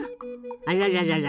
あらららら。